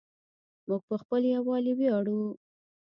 موږ په خپل یووالي ویاړو.